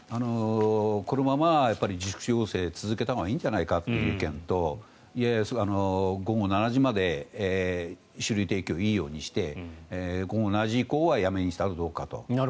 このまま自粛要請を続けたほうがいいんじゃないかという意見といやいや、午後７時まで酒類提供をいいようにして午後７時以降はやめにしたらどうかと。